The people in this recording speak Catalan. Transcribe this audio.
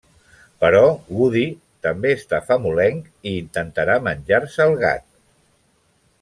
Però Woody també està famolenc, i intentarà menjar-se el gat.